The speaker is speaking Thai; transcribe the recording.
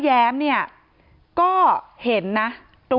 ที่มีข่าวเรื่องน้องหายตัว